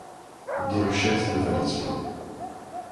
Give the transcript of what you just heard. Déruchette leva les yeux.